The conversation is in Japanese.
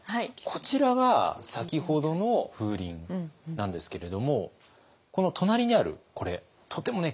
こちらが先ほどの風鈴なんですけれどもこの隣にあるこれとても貴重なものなんです。